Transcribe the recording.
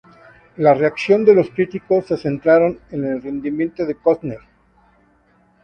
La reacción de los críticos se centraron en el rendimiento de Costner.